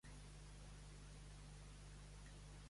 El vencia amb l'ajut d'un Minipímer.